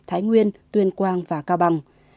hải nguyên tuyên quang và cao bằng